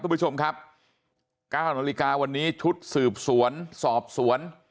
คุณผู้ชมครับ๙นาฬิกาวันนี้ชุดสืบสวนสอบสวน